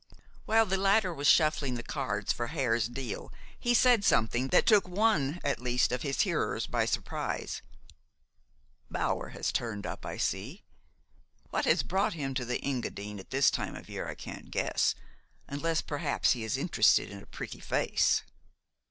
While the latter was shuffling the cards for Hare's deal he said something that took one, at least, of his hearers by surprise. "Bower has turned up, I see. What has brought him to the Engadine at this time of year I can't guess, unless perhaps he is interested in a pretty face."